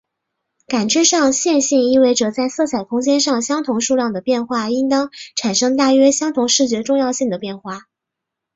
感知上线性意味着在色彩空间上相同数量的变化应当产生大约相同视觉重要性的变化。